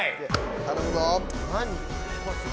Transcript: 頼むぞ。